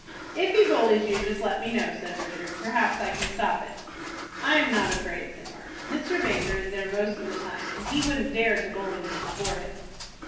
"If he bullies you, just let me know," said Richard. "Perhaps I can stop it." "I am not afraid," said Mark. "Mr. Baker is there most of the time, and he wouldn't dare to bully me before him."